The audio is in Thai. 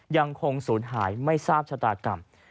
ยังคงศูนย์หายไม่ทราบชะตากรรม